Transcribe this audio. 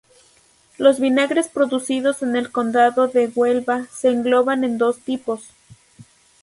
Los vinagres producidos en el Condado de Huelva se engloban en dos tipos.